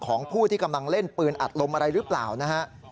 ของผู้ที่กำลังเล่นปืนอัดลมอะไรหรือเปล่านะฮะ